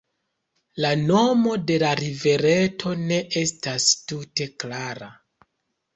La nomo de la rivereto ne estas tute klara.